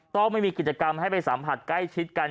ต้องไม่มีกิจกรรมให้ไปสัมผัสใกล้ชิดกัน